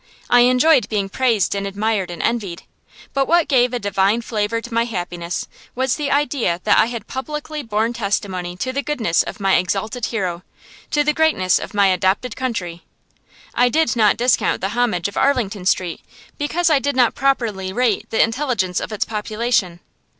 I enjoyed being praised and admired and envied; but what gave a divine flavor to my happiness was the idea that I had publicly borne testimony to the goodness of my exalted hero, to the greatness of my adopted country. I did not discount the homage of Arlington Street, because I did not properly rate the intelligence of its population.